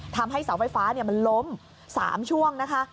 ทำให้เสาไฟฟ้ามันล้ม๓ช่วงนะคะ